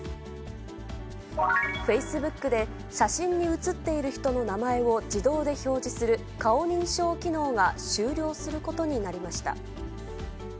フェイスブックで、写真に写っている人の名前を自動で表示する顔認証機能が終了することになりました。